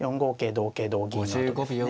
同桂同銀のあとですね。